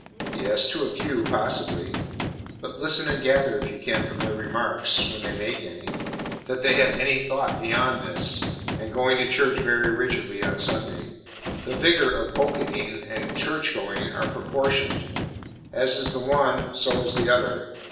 Yes, to a few, possibly. But listen and gather, if you can, from their remarks (when they make any), that they have any thought beyond this, and going to church very rigidly on Sunday. The vigor of polkaing and church going are proportioned; as is the one so is the other.